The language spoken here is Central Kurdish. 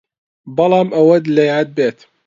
بەڵام ئەوەت لە یاد بێت